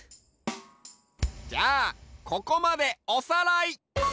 じゃあここまでおさらい！